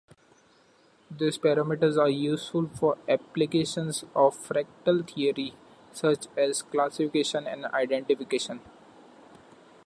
These parameters are useful for applications of fractal theory such as classification and identification.